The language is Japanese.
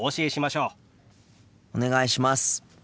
お願いします。